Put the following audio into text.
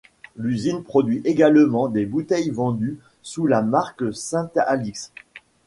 L'usine produit également des bouteilles vendues sous la marque Sainte-Alix.